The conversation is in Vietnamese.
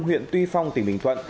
huyện tuy phong tỉnh bình thuận